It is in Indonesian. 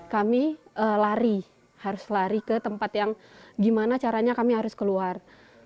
kami lari harus lari ke tempat yang gimana caranya kami harus keluar